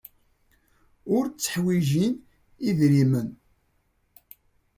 Ur tteḥwijin idrimen.